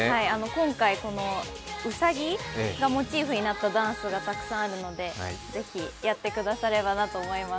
今回、このうさぎがモチーフになったダンスがたくさんあるのでぜひ、やってくださればなと思います。